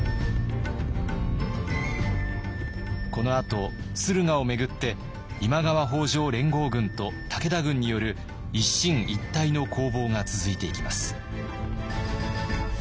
このあと駿河を巡って今川北条連合軍と武田軍による一進一退の攻防が続いていきます。